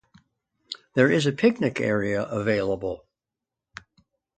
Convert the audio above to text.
There is a picnic area available.